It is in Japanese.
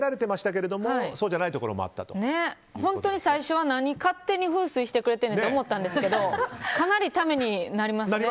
最初は何勝手に風水してくれてんねんって思ってましたけどかなりためになりますね。